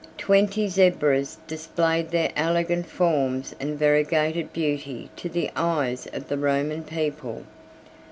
Twenty zebras displayed their elegant forms and variegated beauty to the eyes of the Roman people.